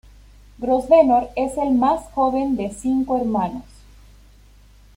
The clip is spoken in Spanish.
Grosvenor es el más joven de cinco hermanos.